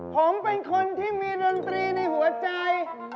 ผมเป็นคนที่มีดนตรีในหัวใจ